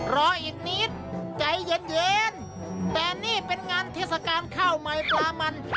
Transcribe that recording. รออีกนิดใจเย็นเย็นแต่นี่เป็นงานเทศกาลข้าวใหม่ปลามัน